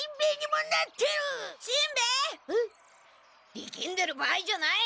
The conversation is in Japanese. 力んでる場合じゃない！